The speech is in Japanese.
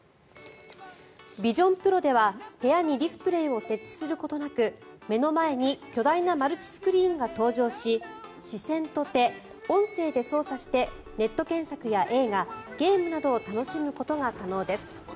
ビジョンプロでは、部屋にディスプレーを設置することなく目の前に巨大なマルチスクリーンが登場し視線と手、音声で操作してネット検索や映画、ゲームなどを楽しむことが可能です。